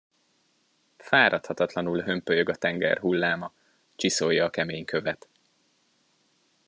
Fáradhatatlanul hömpölyög a tenger hulláma, csiszolja a kemény követ.